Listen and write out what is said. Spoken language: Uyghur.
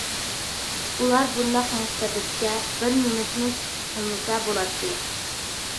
ئۇلار بۇنداق مۇستەبىتكە بىر مىنۇتمۇ سۈكۈت قىلمىسا بولاتتى.